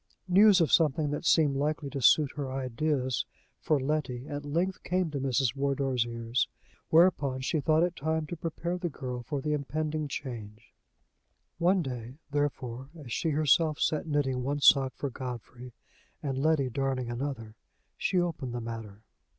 News of something that seemed likely to suit her ideas for Letty at length came to Mrs. Wardour's ears, whereupon she thought it time to prepare the girl for the impending change. One day, therefore, as she herself sat knitting one sock for Godfrey, and Letty darning another, she opened the matter.